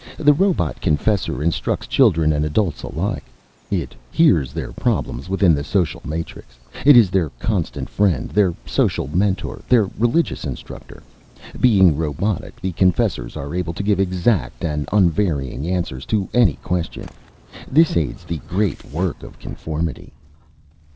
The robot confessor instructs children and adults alike. It hears their problems within the social matrix. It is their constant friend, their social mentor, their religious instructor. Being robotic, the confessors are able to give exact and unvarying answers to any question. This aids the great work of Conformity."